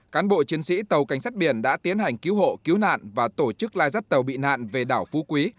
cán bộ chiến sĩ tàu cảnh sát biển đã tiến hành cứu hộ cứu nạn và tổ chức lai dắp tàu bị nạn về đảo phú quý